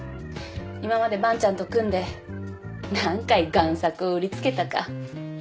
今まで伴ちゃんと組んで何回贋作を売りつけたか。